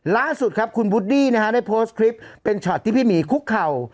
ล่าสุดครับคุณวูดดี้นะฮะได้โพสต์คลิปเป็นช็อตที่พี่หมีคุกเข่า